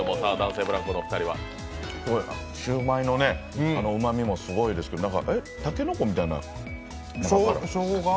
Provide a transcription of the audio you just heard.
シューマイのうまみもすごいですけど竹の子みたいなのが？